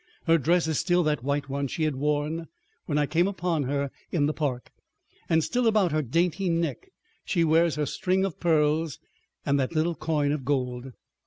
Her dress is still that white one she had worn when I came upon her in the park, and still about her dainty neck she wears her string of pearls and that little coin of gold.